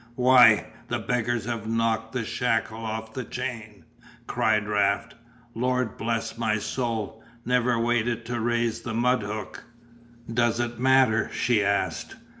"Why, the beggars have knocked the shackle off the chain," cried Raft. "Lord bless my soul, never waited to raise the mud hook?" "Does it matter?" she asked.